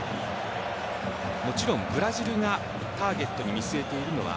もちろんブラジルがターゲットに見据えているのは